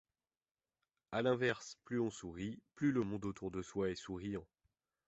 À l'inverse, plus on sourit, plus le monde autour de soi est souriant.